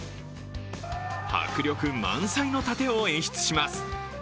迫力満載の殺陣を演出します。